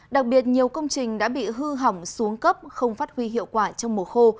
đặc biệt nhiều công trình đã bị hư hỏng xuống cấp không phát huy hiệu quả trong mùa khô